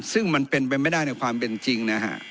ซึ่งมันเป็นไปไม่ได้ในความเป็นจริงนะฮะ